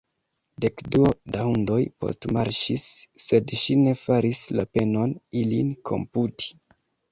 Dekduo da hundoj postmarŝis; sed ŝi ne faris la penon, ilin komputi.